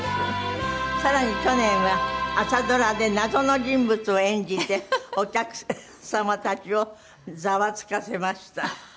更に去年は朝ドラで謎の人物を演じてお客様たちをざわつかせました。